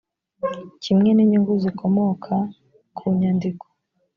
kimwe n inyungu zikomoka ku nyandiko